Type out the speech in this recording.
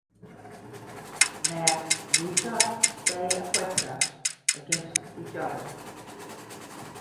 Mask "Lucha de Apuestas" against each other.